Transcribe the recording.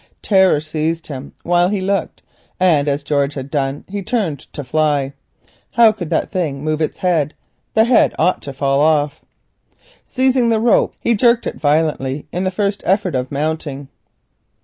Terror seized him while he looked, and, as George had done, he turned to fly. How could that thing move its head? The head ought to fall off. Seizing the rope, he jerked it violently in the first effort of mounting.